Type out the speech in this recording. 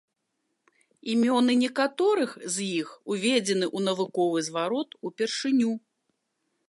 Імёны некаторых з іх уведзены ў навуковы зварот упершыню.